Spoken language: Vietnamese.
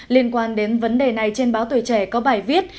liên quan đến vấn đề này trên báo tuổi trẻ có bài viết